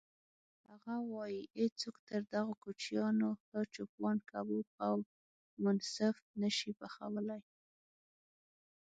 هغه وایي: هیڅوک تر دغو کوچیانو ښه چوپان کباب او منسف نه شي پخولی.